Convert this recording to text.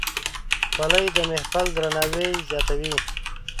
خولۍ د محفل درناوی زیاتوي.